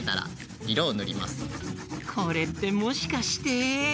これってもしかして。